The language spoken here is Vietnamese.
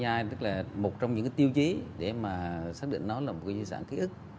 đối với mai nhai một trong những tiêu chí để xác định nó là một di sản ký ức